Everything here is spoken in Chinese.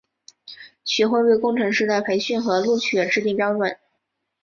学会为工程师的培训和录取制定标准。